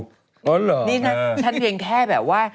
อ๋อเหรอนี่ฉันเพียงแค่แบบว่า